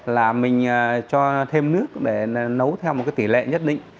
là mình cho thêm nước để nấu theo một cái tỷ lệ nhất định